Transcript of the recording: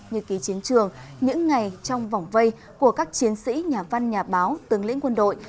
nhật ký chiến trường những ngày trong vòng vây của các chiến sĩ nhà văn nhà báo tướng lĩnh quân đội